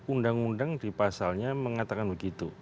undang undang di pasalnya mengatakan begitu